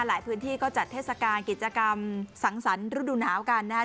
หลายพื้นที่ก็จัดเทศกาลกิจกรรมสังสรรค์ฤดูหนาวกันนะฮะ